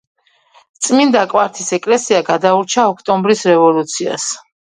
წმინდა კვართის ეკლესია გადაურჩა ოქტომბრის რევოლუციას.